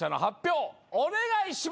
お願いします。